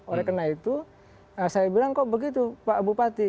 oleh karena itu saya bilang kok begitu pak bupati